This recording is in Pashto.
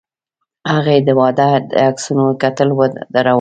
هغې د واده د عکسونو کتل ودرول.